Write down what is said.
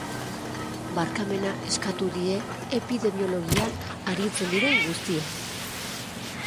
Barkamena eskatu die epidemiologian aritzen diren guztiei.